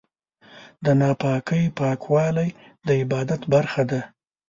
د ناپاکۍ پاکوالی د عبادت برخه ده.